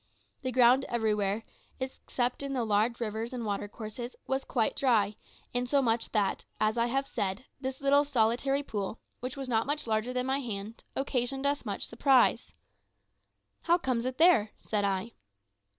The ground everywhere, except in the large rivers and water courses, was quite dry, insomuch that, as I have said, this little solitary pool (which was not much larger than my hand) occasioned us much surprise. "How comes it there?" said I.